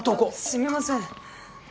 すみません。